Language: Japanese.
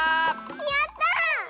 やった！